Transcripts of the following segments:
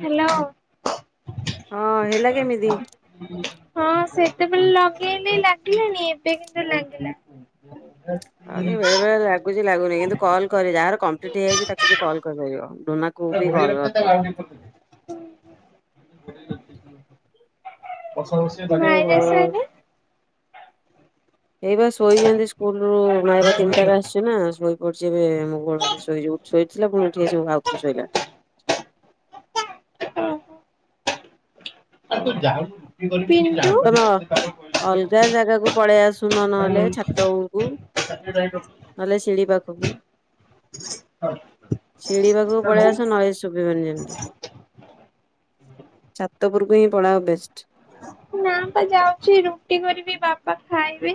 Hello. ହଁ ହେଲା କେମିତି ହଁ ସେତେବେଳେ ଲଗେଇଲି ଲାଗିଲାନି ଏବେ କିନ୍ତୁ ଲାଗିଲା। [inaudible] ହଉ ସେ ବେଳେବେଳେ ଲାଗୁଚି ଲାଗୁନି। କିନ୍ତୁ କଲ କରି ଯାହାର କମ୍ପ୍ଲିଟ୍ ହେଇଯାଇଚିତାକୁ ବି କଲ୍ କରିପାରିବ। ବି ତାକୁ ଘୋଡେଇ କଲ୍ ରଖିଥା ତାକୁ କରିଦବ। ବାହାରକିଆଁକଲୁ। ାଇ ଓହୋ। ସ [inaudible] ଏଇ ବା ଶୋଇଚନ୍ତି ସ୍କୁଲ ରୁ ନାଇବା ତିନିଟା ରେ ଆସ୍ ନା ଶୋଇପଡିଚି ଏବେ ମୋ ଗୋଳରେ ଶୋଇଥିଲା। ପୁଣି ଉଠିକି ଆସି ଆଉଥରେ ଶୋଇଲା। ଓ ତମ କିନ୍ତୁ ଅଲଗା ଜାଗାକୁ ପଳେଇ ଆସୁନ ନହେଲେ ଛାତ ଉପୁକୁ। [inaudible] ନହେଲେ ସିଡି ପାଖକୁ। ସିଡି ପାଖକୁ ପଳେଇଆସ ନହେଲେ ଶୁଭିବନି ଯେମିତି। ଛାତ ଉପରକୁ ହିଁ ପଳାଅ ବେଷ୍ଟ। ନା ପା ଯାଉଚି ରୁଟି କରିବି ବାପା ଖାଇବେ।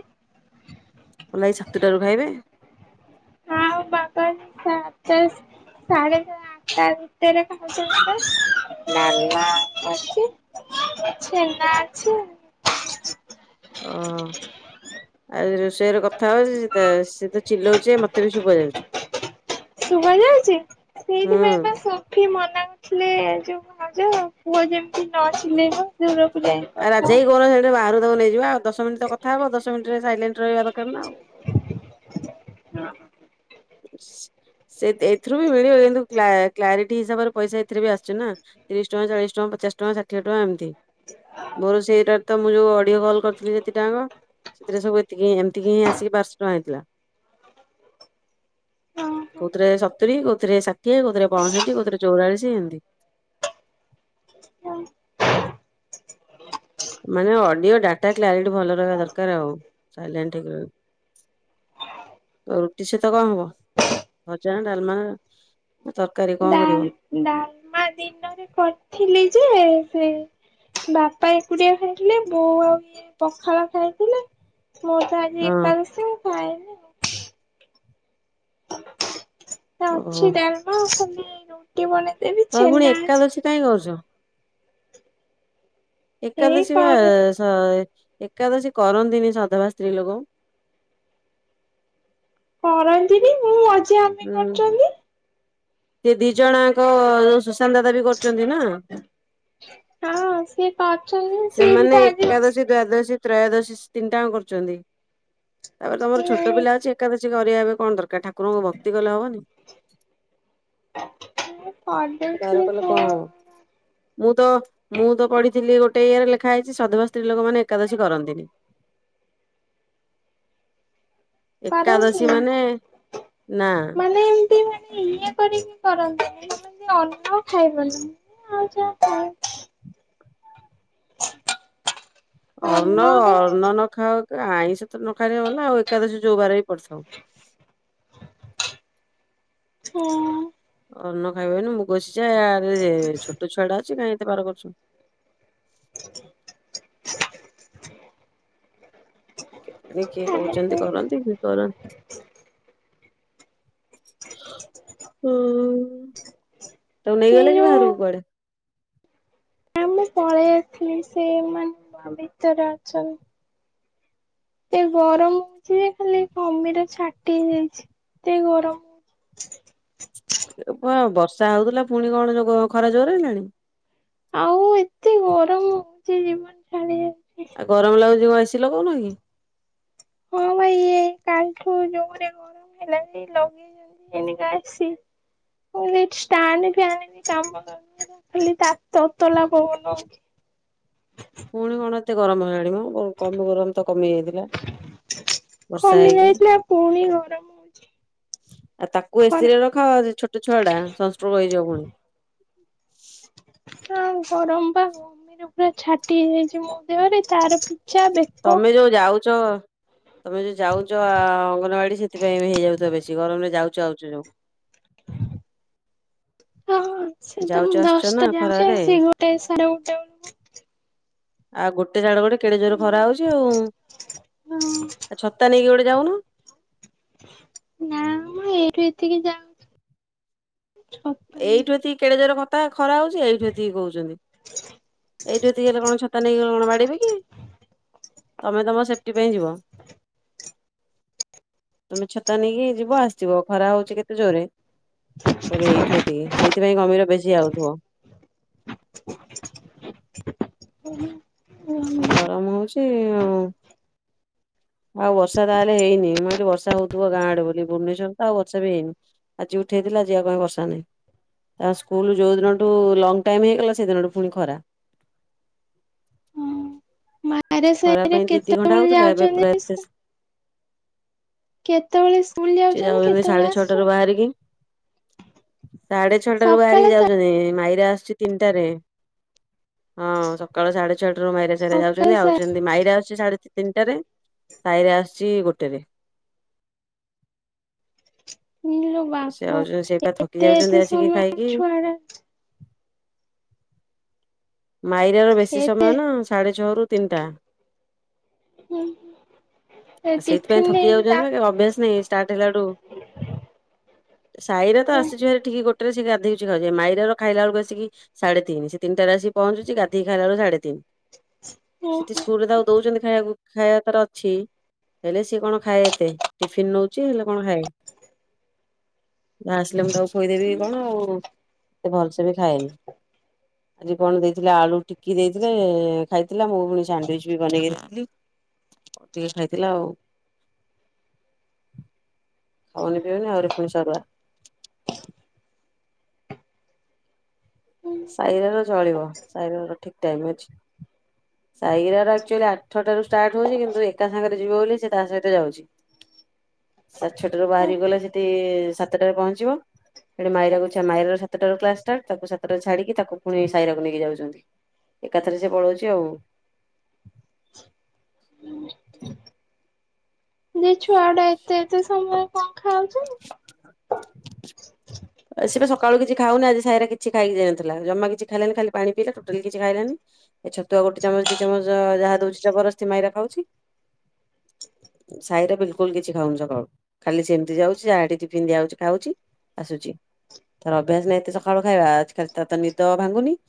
ମଲାଏଇ ସାତଟାରୁ ଖାଇବେ? ହଁ ବାପା ସାତେ ସାଢେ଼ ସା ତା ଭିତରେ ଖାଉଚନ୍ତି ତ ମାମା ଅଛି। ଛେନା ଅଛି? ଓ ଆଉ ରୋଷେଇର କଥା ହଉଚି ସେ ତ ସିଏ ତ ଚିଲଉଚି ଯେ ମତେ ବି ଶୁବା ଯାଉଚି। ଶୁଭ ଯାଉଚି ହୁଁ। ସେଇଥିପାଇଁ ବା ସ ଫି ମନା କରୁଥିଲେ ଯୋଉ ଭାଉଜ ପୁଅ ଯେମିତି ନ ଚିଲେଇବ। ଦୁରକୁ ଯାଏ। ଆଉ ରାଜା ଭାଇ କୁ କହୁନ ସେ ଟିକେ ବାହାରକୁ ତାକୁ ନେଇଯିବ ଆଉ ଦଶ ମିନିଟ ତ କଥା ହବ ଦଶ ମିନିଟ୍ ରେ ସାଇଲେଣ୍ଟ ରହିବା ଦରକାର ନା ଆଉ। ହଁ। ସେ ଏଥିରୁ ବି ମିଳିବ କିନ୍ତୁ କ୍ଲା କ୍ଲାରିଟି ହିସାବରେ ପଇସା ଏଥିରେ ବି ଆସୁଛି ନା। ତିରିଶ ଟଙ୍କା ଚାଳିଶ ଟଙ୍କା ପଚାଶ ଟଙ୍କା ଷାଠିଏ ଟଙ୍କା ଏମ୍ ତି ମୋର ସେଇଟାରେ ତ ମୁଁ ଯୋଉ ଅଡିଓ କଲ୍ କରିଥିଲି ଯେତି ଟାଙ୍କ ସେଥିରେ ସବୁ ଏ ସେତିି ଏମତିକି ହିଁ ଆସିକି ପାଁଶହ ଟଙ୍କା ହେଇଥିଲା। ହଁ କୋଉଥିରେ ସତୁରି କୋଉଥିରେ ଷାଠିଏ କଉଥିରେ ପଞ୍ଚଷଠି କୋଉଥିରେ ଚଉରାଳିଶ ଏମିତି। ହଁ ମାନେ ଅଡିଓ ଡାଟା କ୍ଲାରିଟି ଭଲ ରହିବା ଦରକାର ଆଉ ସାଇଲେଣ୍ଟ ଟିକେ ରହ ଆଉ ରୁଟି ସହିତ କଣ ହବ ଭଜା ନା ଡାଲମା ନା ତରକାରୀ ଡା କଣ କରିବ? ଡାଲମା ଦିନରେ କରିଥିଲି ଯେ ସେ ବାପା ଏକୁଟିଆ ଖାଇଥିଲେ ବୋଉ ଆଉ ଇଏ ପଖାଳ ଖାଇଥିଲେ ମୋ ତା ଆ ହଁ ଏକାଦଶୀ ମୁଁ ଖାଇନି ଆଉ। ତ ଓହୋ ଅଛି ଡାଲମା ଖାଲି ରୁଟି ବନେଇଦେବି ତମେ ପୁଣି ଛେନା ଅଛି ଏକାଦଶୀ କାଇଁ କରୁଚ? ଏଇ ଏକାଦଶୀ ବା କର ସ ଏକାଦଶୀ କରନ୍ତିନି ସଧାବା ସ୍ତ୍ରୀ ଲୋକ। କରନ୍ତିନି ମୋ ମଝିଆ ମମି ହୁଁ କରିୁଚନ୍ତି? ସେ ଦି ଜଣଆଙ୍କ ଯୋଉ ସୁଶାନ୍ତ ଦାଦା ବି କରୁଚନ୍ତି ନା। ହଁ ସିଏ କରୁଚନ୍ତି ସିଏ ବି ତ ଆ ଦ୍ୱାଦସୀ ତ୍ରୟଦଶୀ ତିନିଟାଙ୍କ କରୁଚନ୍ତି ତାପରେ ତମର ଛୋଟ ପିଲା ଅଛି। ଏକାଦଶୀ କରିବା ଏବେ କଣ ଦରକାର ଠାକୁରଙ୍କୁ ଭକ୍ତି କଲେ ହବନି। ମୁଁ କରଦେ ବାର କଲେ କଣ ହବ ମୁଁ ତ ମୁଁ ତ ପଢ଼ିଥିଲି ଗୋଟେ ଇଏରେ ଲେଖା ହେଇଚି ସଧବା ସ୍ତ୍ରୀ ଲୋକମାନେ ଏକାଦଶୀ କରନ୍ତିନି। [unintelligible] ମାନେ ନା ମାନେ ଇଏ କରିକି କରନ୍ତିନି ଯେମତି ଅନ୍ନ ଖାଇବ ନା ଆଉ ଯାହା ଖା ଅର୍ଣ ଅନ୍ନରେ ଅର୍ଣ ନ ଖାାଉ ଆଇଁଷ ତ ନ ଖାଇ ଗଲା ଆଉ ଏକାଦଶୀ ଯୋଉବାରେ ବି ପଡିଥାଉ। ହଁ। ଅନ୍ନ ଖାଇବନି ମୁଗ ସିଝା ରେ ଛୋଟ ଛୁଆ ଟା ଅଛି କାଇଁ ଏତେ ବାର କରୁଚ। କିଏ କହୁଚନ୍ତି କରନ୍ତି କିଏ କର ହଁ। ତାକୁ ସେ ନେଇଗଲେ କି ଯୋଉ ବାହାରକୁ କୁଆଡେ? ମୁଁ ପଳେଇ ଆସିଲି ସେମାନେ ଭିତରେ ଅଛନ୍ତି। ଏ ଗରମ ହଉଚି ଯେ ଖାଲି ଘମିର ଛାଟି ହେଇ ଯାଇଚି ଏ ଗରମକୁ। ଏ ପା ବର୍ଷା ହଉଥିଲା ପୁଣି କଣ ଯୋ ଗ ଖରା ଜୋରେ ହେଲାଣି? ଆଉ ଏତେ ଗରମ ହଉଚି ଜୀବନ ଛାଡି ଯାଉଚି। ଆଉ ଗରମ ଲାଗୁଚି ଯୋଉ ଏ ସିି ଲଗଉନ କି? ହଁ ବା ଇଏ କାଲିଠୁ ଯୋଉ ଭଳିଆ ଗରମ ହେଲାଣି ଲଗେଇବୁ [inaudible] ସ୍ଟାଣ୍ଡଫାନ ବି କାମ ଦଉନି। ଖାଲି ତା ତତଲା ପବନ ହେଉଛି। ପୁଣି କଣ ଏତେ ଗରମ ହେଲାଣି ମ? କମ ଗରମ ତ କମି ଯାଇଥିଲା ବର୍ଷା କମି ହେଇକି। ପୁଣି ଗରମ ହଉଛି ଆଉ ତାକୁ ଏ ସି ଖରା ରେ ରଖ ଛୋଟ ଛୁଆଟା ସନ୍‌ସ୍ଟ୍ରୋକ୍ ହେଇଯିବ ପୁଣି। ହଁ ଗରମ ବା ଗମିରେ ପୁରା ଛାଟି ହେଇଯାଇଛି ମୋ ଦେହରେ ତାର ବି। ତମେ ଯୋଉଁ ଯାଉଚ ତମେ ଯୋଉଁ ଯାଉଛ ଅଙ୍ଗନବାଡି ସେଥିପାଇଁ ହେଇଯାଉଥିବ ବେଶୀ ଗରମ ରେ ଯାଉଛ ଆଉଛ ଯୋଉଁ। ହଁ। ସେଟା ଯାଉଛ ମୁଁ ଆସୁଛ ନା ଦଶଟା ରେ ଯାଉଛି ଖରାରେ ସେଇ ଗୋଟେ ସାଡେ ଗୋଟେ ବେଳକୁ ଆଉ ଗୋଟେ ସାଡ଼େ ଗୋଟେ କେଡେ ଜୋରେ ଖରା ହଉଛି ଆଉ ହଁ ଛତା ନେଇକି ଗୋଟେ ଯାଉନ। ନା ମୁଁ ଏଇଠୁ ଏତିକି ଯାଉଛି ଛ ଏଇଠୁ ଏତିକି କେଡେ ଜୋରେ କଥା ଖରା ହଉଛି ଏଇଠୁ ଏତିକି କହୁଛନ୍ତି। ଏଇଠୁ ଏତିିକ ହେଲେ କଣ ଛତା ନେଇଗଲେ ଅଙ୍ଗନବାଡି ଯିବି କି ତମେ ତମ ସେ ଟି ପାଇଁ ଯିବ। ତମେ ଛତା ନେଇକି ଯିବ ଆସିବ ଖରା ହଉଛି କେତେ ଜୋରରେ। ଫେରେ ଏଇଠୁ ଏତିକି ସେଇଥିପାଇଁ ଘମିର ବେଶି ଆଉଥିବ। ହୁଁ ହୁଁ। ଗରମ ହଉଚି ଆଉ ଆଉ ବର୍ଷା ତାହେଲେ ହେଇନି ମୁଁ ଭାବିଲି ବର୍ଷ ହଉଥିବ ଗାଁ ଆଡେ ବୋଲି ଭୁବନେଶ୍ୱର ରେ ତ ଆଉ ବର୍ଷା ବି ହେଇନି। ଆଜି ଉଠେଇଥିଲା ଆଜିି ଆଉ କାହିଁ ବର୍ଷା ନାହିଁ। ତା ସ୍କୁଲ ଯୋଉଁ ଦିନଠୁ ଲଙ୍ଗ ଟାଇମ ହେଇଗଲା ସେହିଦିନଠୁ ପୁଣି ଖରା। ମାଇରା ଖଇବା ସାହିରେ ପାଇଁ ଦି ଦି ଘଣ୍ଟା କେତେବେଳେ ହଉଥିଲା ଏବେ ପୁରା ଯାଉଛନ୍ତି ସ୍କୁ ଏତେ କେତେବେଳେ ସ୍କୁଲ ସେ ଯାଉଛନ୍ତି କେତେବେଳେ ସାଢେ ଛଅଟାରୁ ଆସୁଛନ୍ତି? ବାହାରିକି। ସାଢେ ଛଅଟା ରୁ ବାହାରିକି ସକାଳେ ସା ଯାଉଛନ୍ତି ମାଇରା ଆସୁଛି ତିନିଟାରେ ହଁ ସକାଳ ସାଢେ ଛଅଟାରୁ ମାଇରା ସାଇରା ସକାଳେ ଯାଉଛନ୍ତି ସା ଆଉଚନ୍ତି ମାଇରା ଆସୁଛି ସାଢେ ତିନିଟାରେ ସାଇରା ଆସୁଛି ଗୋଟେରେ। ଇଲୋ ସେ ବାପ ଆଉଛନ୍ତି ସେଇ ପା ଥକି ଏତେ ଯାଉଛନ୍ତି ଏତେ ଆସିକି ସମୟ ଖାଇକି ଛୁଆଡା ମାଇରା ର ବେଶୀ ଏତେ ସମୟ ନା ସାଢ଼େ ଛଅରୁ ତିନିଟା। ହୁଁ ଏ ଆ ସେଇଥିପାଇଁ ଟିଫିନ ଥକି ନେଇକି ଯା ଯାଉଛନ୍ତି ନା ଅଭ୍ୟାସ ନାଇଁ ଷ୍ଟାର୍ଟ ହେଲାଠୁ। ସାଇରା ତ ହୁଁ ଆସୁଛି ସେଠୁ ଆସିକି ଗୋଟରେ ସେ ଗାଧଉଛି ମାଇରାର ଖାଇଲାବେଳକୁ ଆସିକି ସାଢେ ତିନି ସେ ତିନିଟା ରେ ଆସିକି ପହଞ୍ଚୁଛି ଗାଧୋଇ ଖାଇଲା ବେଳେକୁ ସାଢେ ତିନି ହୁଁ ସେଠି ସ୍କୁଲ ରେ ଦଉଛନ୍ତି ଖାଇବାକୁ ଖାଇବା ତାର ଅଛି। ହେଲେ ସିଏ କଣ ଖାଏ ଏତେ ଟିଫିିନ ନଉଛି ହେଲେ କଣ ଖାଏ। ଯେ ଆସିଲେ ମୁଁ ତାକୁ ଶୋଇଦେବି କଣ ଆଉ ଏତେ ଭଲସେ ବି ଖାଏନି ଆଜି କଣ ଦେଇଥିଲେ ଆଳୁ ଟିକି ଦେଇଥିଲେ ଖାଇଥିଲା ମୁଁ ପୁଣି ସାଣ୍ଡୱିଚ ବି ବନେଇକି ଦେଇଥିଲି ଟିକେ ଖାଇଥିଲା ଆଉ। ଖାଉନି ପିଉନି ଆହୁରି ପୁଣି ସରୁଆ। ହୁଁ ସାଇର ର ଚଳିବ ସାଇରାର ଠିକ ଟାଇମ ଅଛି। ସାଇରାର ଆକ୍ଚୁଆଲି ଆଠଟାରୁ ଷ୍ଟାର୍ଟ ହଉଛି କିନ୍ତୁ ଏକା ସାଙ୍ଗରେ ଯିବ ବୋଲି ସେ ତା ସହିତ ଯାଉଛି। ହ ସାଡ୍ ଛଅଟାରୁ ବାହାରି ଗଲେ ସେଠି ଇ ସା ସାତଟାରେ ପହଞ୍ଚିବ ସେଠି ମାଇରାକୁ ଛା ମାଇରାର ସାତଟାରୁ କ୍ଲାସ ଷ୍ଟାର୍ଟ ତାକୁ ସା ଟାରେ ଛାଡିକି ତାକୁ ପୁଣି ସାଇରାକୁ ନେଇକି ଯାଉଛନ୍ତି। ଏକାଥରେ ସେ ପଳଉଛି ଆଉ। ଯେ ଛୁଆ ଉଡା ଏତେ ଏତେ ସମୟ କଣ ଖାଉଛନ୍ତି? ସେ ପା ସକାଳୁ କିଛି ଖାଉନାହାନ୍ତି। ସାଏରା କିଛି ଖାଇକି ଯାଇନଥିଲା। ଜମା କିଛି ଖାଇଲାନି ଖାଲି ପାଣି ପିଇଲା ଟୋଟାଲ କିଛି ଖାଇଲାନି। ଏ ଛତୁଆ ଗୋଟେ ଚାମଚ ଦି ଚାମଚ ଯାହା ଦଉଛି ଜବରଦସ୍ତି ମାଇରା ଖାଉଛି। ସାଇରା ବିଲକୁଲ କିଛି ଖାଉନି ସକାଳୁ। ଖାଲି ସେମିତି ଯାଉଛି ଯାହାଠି ଟିଫିନ ଦିଆଯାଉଛି ଖାଉଛି ଆସୁଛି। ତାର ଅଭ୍ୟାସ ନାହିଁ ଏତେ ସକାଳୁ ଖାଇବା। ଆଜିକାଲି ତା ତ ନିଦ ଭାଙ୍ଗୁନି।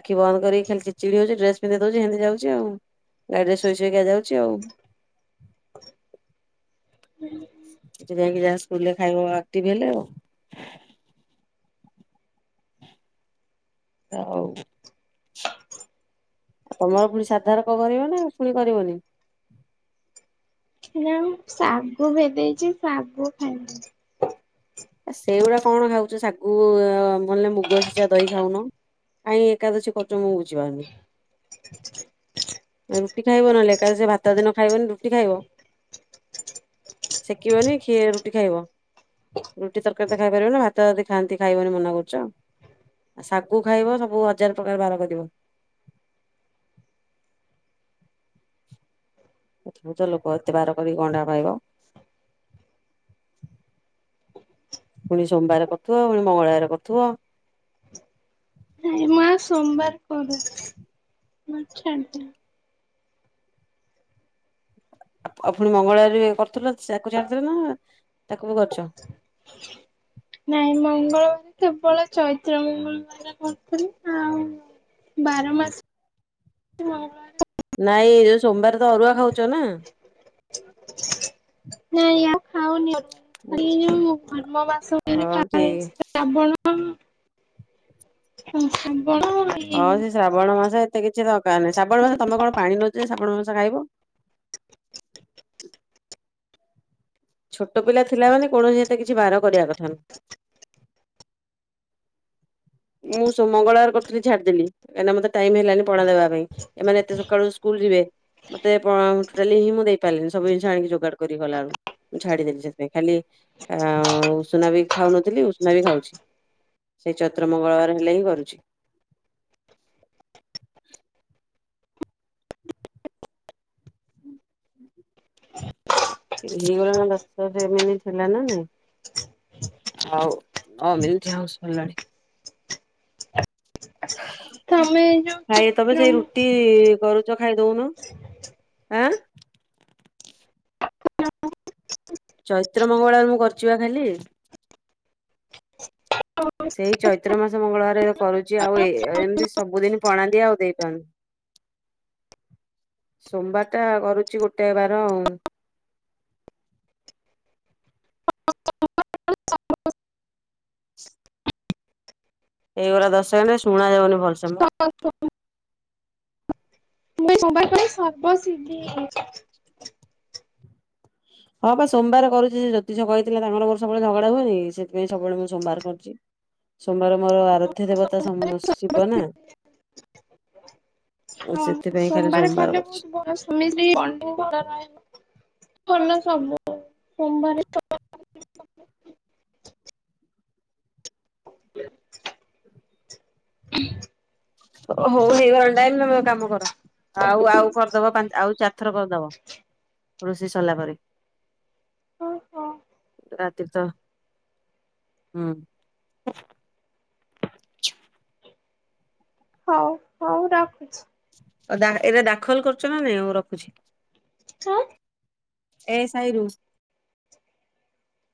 ଆଖି ବନ୍ଦ କରିକି ଖାଲି ଚିଡ୍ ଚିଡି ହଉଛି। ଡ୍ରେସ୍ ପିନ୍ଧେଇଦଉଛିି ହେନ୍ତି ଯାଉଛି ଆଉ। ଗାଡି ରେ ଶୋଇ ଶୋଇକି ଯାଉଛି ଆଉ। ହୁଁ ସେଠି ଯାଇକି ଯାହା ସ୍କୁଲରେ ଖାଇବ ଆକ୍ଟିଭ୍ ହେଲେ ଆଉ। ହଉ ଆଉ ତମର ପୁଣି ସାଧାର କ କରିବ ନା ପୁଣି କରିବନି? ହେ ଯା ମ ଶାଗୁ ଭେଦେଇଛି ଶାଗୁ ଖାଇମି। ଆ ସେଇଗୁଡା କଣ ଖାଉଛ ଶା ଗୁ ନହେଲେ ମୁଗ ସିଜା ଦହି ଖାଉନ, କାଇଁ ଏକାଦଶୀ କରୁଛ ମୁଁ ବୁଝି ପାରୁନି। ରୁଟି ଖାଇବ ନହେଲେ ଏକାଦଶୀରେ ଭାତ ଯଦି ନ ଖାଇବନି ରୁଟି ଖାଇବ। ଶେକିବନି ଖି ରୁଟି ଖାଇବ। ରୁଟି ତରକାରୀ ତ ଖାଇପାରିବ ନା ଭାତ ଯଦି ଖାଆନ୍ତି ଖାଇବନି ମନା କରୁଛ। ଆ ଶାଗୁ ଖାଇବ ସବୁ ହଜାର ପ୍ରକାର ବାର କରିବ। ଅଦ୍ଭୁତ ଲୋକ ଏତେ ବାର କରିକି କଣ୍ଟା ପାଇବ। ପୁଣି ସୋମବାର କରୁଥିବ ପୁଣି ମଙ୍ଗଳବାର କରୁଥିବ। ନାଇଁ ମା ସୋମବାର କରୁନି ମୁଁ ଛାଡିଦେଲି। ଆ ଆଉ ପୁଣି ମଙ୍ଗଳବାର ବି କରୁଥିଲ ସେ ତାକୁ ଛାଡିଦେଲ ନା ତାକୁ ବି କରୁଛ? ଆ୍ [inaudible] ନାଇଁ ମଙ୍ଗଳବାର କେବଳ ଚୈତ୍ର ମଙ୍ଗଳବାର କରୁଥିଲି ଆଉ ବାରା ମାସ [inaudible] ମଙ୍ଗଳବାର ନାଇଁ ଯୋଉ ସୋମବାର ତ ଅରୁଆ ଖାଉଛ ନା? ନାଇ ଆଉ ଖାଉନି ଆରୁଆ। ଖାଲି ଯଉ ଧର୍ମ ମାସ ଗୁଡାରେ ହଁ ଖାଏ ଠିକ। ଶ୍ରାବଣ [inaudible] ଶ୍ରାବଣ ଏଇ ହଁ ସେ ଶ୍ରାବଣ ମାସ ଏତେ କିଛି ଦରକାର ନାହିଁ। ଶ୍ରାବଣ ମାସ ତମେ କଣ ପାଣି ନଉଛ ଯେ ଶ୍ରାବଣ ମାସ ଖାଇବ। ଛୋଟ ପିଲା ଥିଲା ମାନେ କୌଣସି ଏତେ କିଛି ବାର କରିବା କଥା ନୁହ। ମୁଁ ସୋ ମଙ୍ଗଳବାର କରୁଥିଲ ଛାଡିଦଲି କାଇଁନା ମତେ ଟାଇମ୍ ହେଲାନି ପଣା ଦେବା ପାଇଁ ଏମାନେ ଏତେ ସକାଳୁ ସ୍କୁଲ ଯିବେ ମତେ ପ ଟୋଟାଲି ହିଁ ମୁଁ ଦେଇ ପାଇଲିନି ସବୁ ଜିନିଷ ଆଣିକି ଯୋଗାଡ କରି କଲାଳୁ ମୁଁ ଛାଡିଦେଲି ସେଥିପାଇଁ ଖାଲି ଆ ଉଷୁନା ବି ଖାଉନଥିଲି ଉଷୁନା ବି ଖାଉଛି ସେଇ ଚୈତ୍ର ମଙ୍ଗଳବାର ହେଲେ ହିଁ କରୁଛି। ଏଇ [unintelligible] ଥିଲା ନା ନାଇଁ। ଆଉ ହ ଏମିତି ଆଉ ସରିଲାଣି। ତମେ ଯୋଉ ଖାଇ ତମେ ଚୈତ୍ର ସେଇ ମୁଁ ରୁଟି କରୁ ଚ ଖାଇ ଦଉନୁ ଆଁ? ଚୈତ୍ର ମଙ୍ଗଳବାର ମୁଁ କରିଛିିବା ଖାଲି। ସେଇ ଚୈତ୍ର ମାସ ମଙ୍ଗଳବାର କରୁଛି ଆଉ ଏମିତି ସବୁଦିନ ପଣା ଦିଆ ଆଉ ଦେଇପାରୁନି। [unintelligible] ସୋମବାର ଟା କରୁଚି ଗୋଟେ ବାର ଆଉ। ଏଇ ଗୁରା ଦଶ ସେକଣ୍ଡ ଶୁଣା ଯାଉନି ଭଲ ସେ ମ। [unintelligible] ହଁ ବା ସୋମବାର କରୁଛି ଜ୍ୟୋତିଷ କହିଥିଲା ତାଙ୍କର ମୋର ସବୁବେଳେ ଝଗଡା ହୁଏନି କି, ସେଥିାଇଁ ସବୁବେଳେ ମୁଁ ସୋମାବାର କରୁଛି। ସୋମବାର ମୋର ଆରାଧ୍ୟ ଦେବତା ଶିବ ନା। ହଁ ସେଥିପାଇଁ ଖାଲି ସୋମବାର କଲେ ବହୁତ କରୁଛି। [unintelligible] ସବୁ ସୋମବାର [inaudible] [inaudible] ହଉ ହେଇଗଲାଇ ଟାଇମ ତମେ କାମ କର। ଆଉ ଆଉ କରିଦବ ପା ଆଉ ଚାରି ଥର କରିଦବ ରୋଷେଇ ସରିଲା ପରେ। ଓହୋ ରାତି ତ ହୁଁ [unintelligible] ହଉ ହଉ ରଖୁଛି। ଏବେ ଦାଖଲ କରୁଛ ନା ନାଇଁ ମୁଁ ରଖୁଛି। [inaudible] ଏ ସାଇ ରୁ